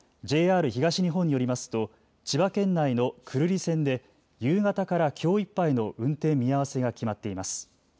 ＪＲ東日本によりますと千葉県内の久留里線で夕方からきょういっぱいの運転見合わせが決まっています。